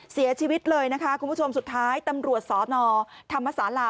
เสียชีวิตเลยนะคะคุณผู้ชมสุดท้ายตำรวจสนธรรมศาลา